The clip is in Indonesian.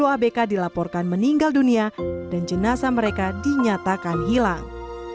dua puluh abk dilaporkan meninggal dunia dan jenazah mereka dinyatakan hilang